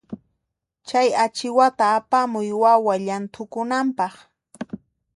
Chay achiwata apamuy wawa llanthukunanpaq.